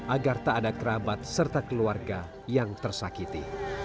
agar tak ada kerabat serta keluarga yang tersakiti